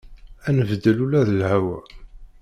Ad nbeddel ula d lhawa.